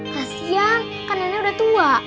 kasian kan nenek udah tua